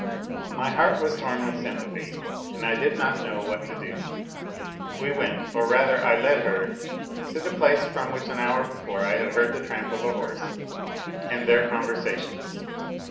My heart was torn with sympathy, and I did not know what to do. We went, or rather I led her, to the place from which an hour before I had heard the tramp of a horse and their conversation.